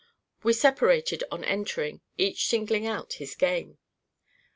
We separated on entering, each singling out his game.